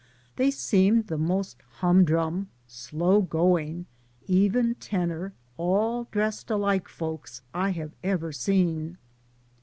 They seemed the most humdrum, slow going, even tenor, all dressed alike folks I have ever seen.